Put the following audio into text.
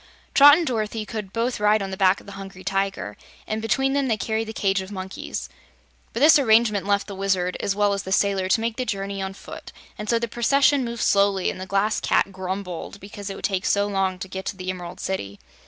Trot and Dorothy could both ride on the back of the Hungry Tiger, and between them they carried the cage of monkeys. But this arrangement left the Wizard, as well as the sailor, to make the journey on foot, and so the procession moved slowly and the Glass Cat grumbled because it would take so long to get to the Emerald City.